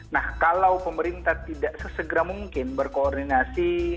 nah kalau pemerintah tidak sesegera mungkin berkoordinasi